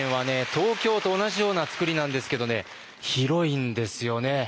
東京と同じような作りなんですけどね広いんですよね。